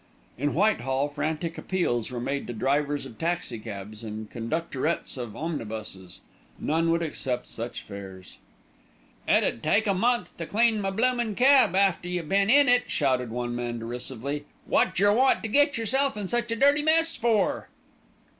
In Whitehall frantic appeals were made to drivers of taxicabs and conductorettes of omnibuses. None would accept such fares. "It 'ud take a month to clean my bloomin' cab after you'd been in it," shouted one man derisively. "What jer want to get yourself in such a dirty mess for?"